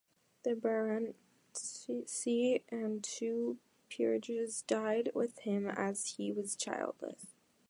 The baronetcy and two peerages died with him as he was childless.